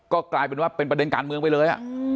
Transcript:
ก็กลายเป็นว่าเป็นประเด็นการเมืองไปเลย